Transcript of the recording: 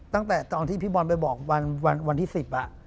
ตั้งแต่ตอนที่พี่บอลไปบอกวันที่๑๐